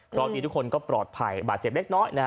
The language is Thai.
เพราะดีทุกคนก็ปลอดภัยบาดเจ็บเล็กน้อยนะฮะ